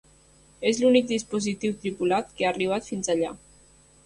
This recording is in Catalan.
És l'únic dispositiu tripulat que ha arribat fins allà.